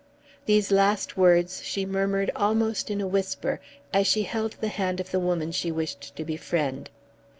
These last words she murmured almost in a whisper, as she held the hand of the woman she wished to befriend.